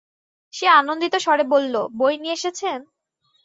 সে আনন্দিত স্বরে বলল, বই নিয়ে এসেছেন?